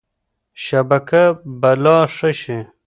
شبکه به لا ښه شي.